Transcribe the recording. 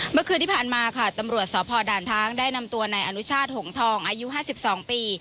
เมื่อคืนที่ผ่านมาค่ะตำรวจสพด่านช้างได้นำตัวนายอนุชาติหงทองอายุ๕๒ปี